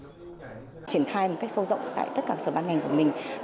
triển khai một cách sâu rộng tại tất cả sở bán ngành của mình